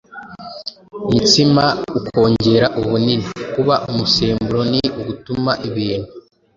mitsima ukongera ubunini; kuba umusemburo ni ugutuma ibintu